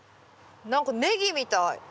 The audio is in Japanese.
何かネギみたい。